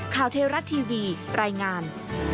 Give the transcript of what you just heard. ข่าวเทวรัฐทีวีรายงาน